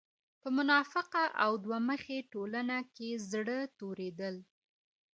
په منافقه او دوه مخې ټولنه کې زړۀ توريدل